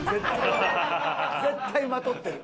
絶対まとってる。